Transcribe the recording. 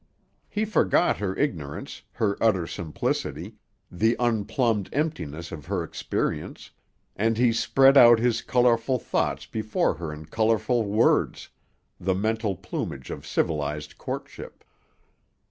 He forgot her ignorance, her utter simplicity, the unplumbed emptiness of her experience, and he spread out his colorful thoughts before her in colorful words, the mental plumage of civilized courtship.